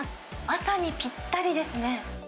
朝にぴったりですね。